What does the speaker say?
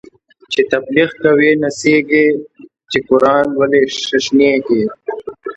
چی تبلیغ کوی نڅیږی، چی قران لولی ششنیږی